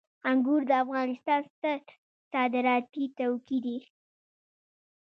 انګور د افغانستان ستر صادراتي توکي دي